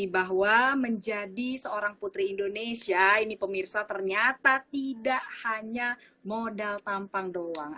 bahwa menjadi seorang putri indonesia ini pemirsa ternyata tidak hanya modal tampang doang